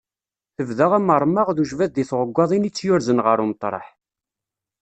Tebda amermeɣ d ujbad deg tɣeggaḍin i tt-yurzen ɣer umeṭreḥ.